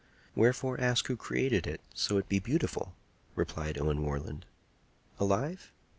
"Wherefore ask who created it, so it be beautiful?" replied Owen Warland. "Alive?